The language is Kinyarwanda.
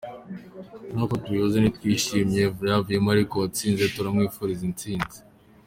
Nkuko tubivuze, ntitwishimiye ibyavuyemo ariko uwatsinze turamwifuzira intsinzi.